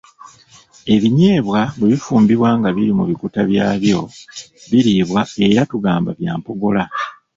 Ebinyeebwa bwe bifumbibwa nga biri mu bikuta byabyo biriibwa era tugamba bya mpogola.